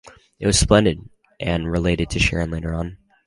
“It was splendid,” Anne related to Sharon later on.